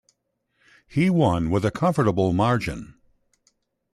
He won with a comfortable margin.